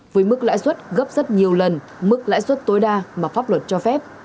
với mức lãi suất gấp rất nhiều lần mức lãi suất tối đa mà pháp luật cho phép